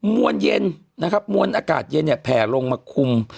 มวลเย็นมวลอากาศเย็นแผ่ลงมาคุม